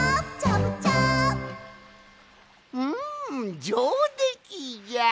うんじょうできじゃ！